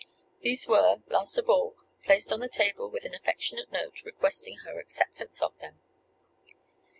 These were, last of all, placed on the table with an affectionate note, requesting her acceptance of them.